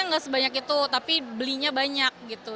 orangnya gak sebanyak itu tapi belinya banyak gitu